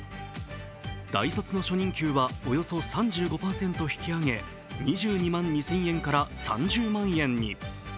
大卒の初任給はおよそ３５％引き上げ２２万２０００円から３０万円に。